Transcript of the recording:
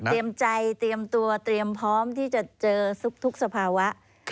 ใจเตรียมตัวเตรียมพร้อมที่จะเจอทุกสภาวะ